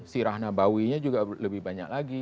sirah nabawinya juga lebih banyak lagi